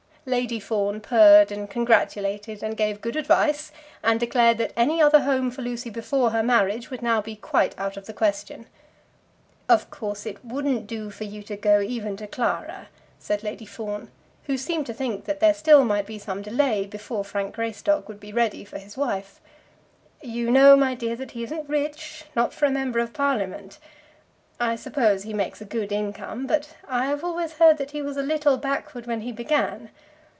Lady Fawn purred, and congratulated, and gave good advice, and declared that any other home for Lucy before her marriage would now be quite out of the question. "Of course it wouldn't do for you to go even to Clara," said Lady Fawn, who seemed to think that there still might be some delay before Frank Greystock would be ready for his wife. "You know, my dear, that he isn't rich; not for a member of Parliament. I suppose he makes a good income, but I have always heard that he was a little backward when he began.